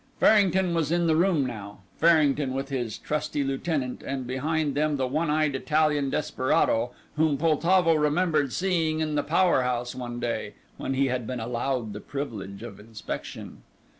Farrington was in the room now, Farrington with his trusty lieutenant, and behind them the one eyed Italian desperado whom Poltavo remembered seeing in the power house one day, when he had been allowed the privilege of inspection.